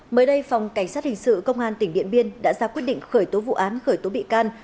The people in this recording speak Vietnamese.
mới đây phòng cảnh sát hình sự công an tỉnh điện biên đã ra quyết định khởi tố vụ án khởi tố bị can